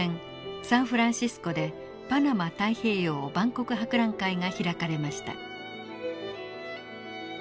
サンフランシスコでパナマ太平洋万国博覧会が開かれました。